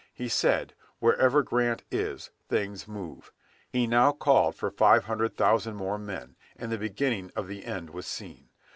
He said, "Wherever Grant is, things move." He now called for five hundred thousand more men, and the beginning of the end was seen.